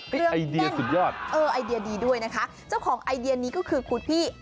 เรื่องสุดยอดเออไอเดียดีด้วยนะคะเจ้าของไอเดียนี้ก็คือคุณพี่